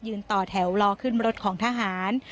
ต่อแถวรอขึ้นรถของทหาร